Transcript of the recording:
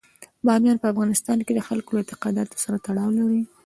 بامیان په افغانستان کې د خلکو له اعتقاداتو سره تړاو لري.